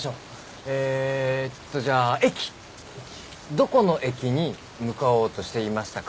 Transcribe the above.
どこの駅に向かおうとしていましたか？